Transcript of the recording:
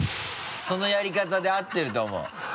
そのやり方で合ってると思う。